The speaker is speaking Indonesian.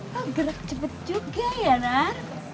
lo gerak cepet juga ya nar